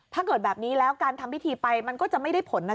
ถ้าเกิดแบบนี้แล้วการทำพิธีไปมันก็จะไม่ได้ผลนะ